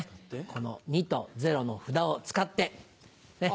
この「２」と「０」の札を使って。